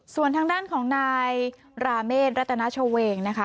ส่วนทางด้านของนายราเมฆรัตนาชเวงนะคะ